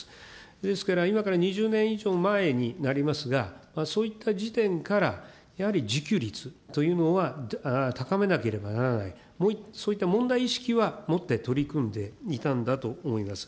ですから、今から２０年以上前になりますが、そういった時点から、やはり自給率というのは高めなければならない、そういった問題意識は持って取り組んでいたんだと思います。